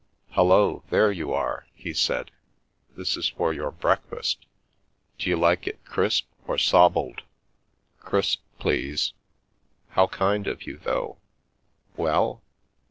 " Hullo, there you are !" he said. " This is for your breakfast. D'you like it crisp or sobbled?" " Crisp, please. How kind of you, though ! Well